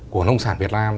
của nông sản việt nam